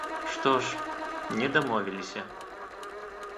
Што ж, не дамовіліся.